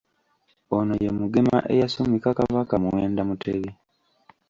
Ono ye Mugema eyasumika Kabaka Muwenda Mutebi.